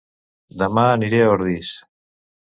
Dema aniré a Ordis